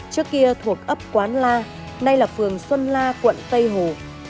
trước kia thuộc ấp quán la nay là phường xuân la quận tây hồ